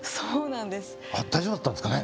大丈夫だったんですかね。